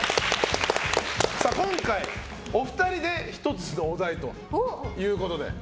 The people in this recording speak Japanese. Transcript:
今回、お二人で１つのお題ということで。